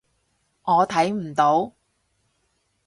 我睇唔到